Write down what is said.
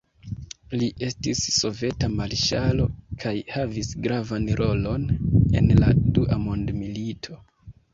Li estis soveta marŝalo kaj havis gravan rolon en la dua mondmilito.